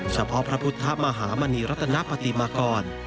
เฉพาะพระพุทธธมาหามณีรัฐนปฏิมากร